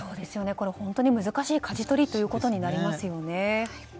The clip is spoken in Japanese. これは本当に難しいかじ取りということになりますよね。